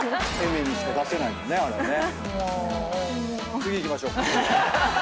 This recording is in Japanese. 次いきましょう。